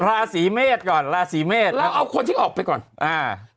ราศีเมษก่อนราศีเมษเอาเอาคนที่ออกไปก่อนอ่า